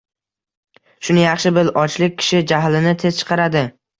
Shuni yaxshi bil: ochlik kishi jahlini tez chiqaradi.